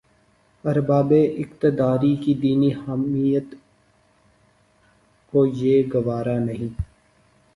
اربابِ اقتدارکی دینی حمیت کو یہ گوارا نہیں